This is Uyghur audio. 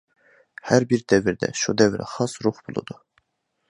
ھەر بىر دەۋردە شۇ دەۋرگە خاس روھ بولىدۇ.